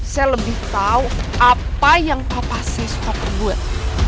saya lebih tau apa yang papa saya suka buat